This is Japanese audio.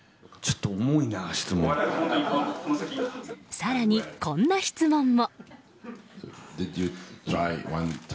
更に、こんな質問も。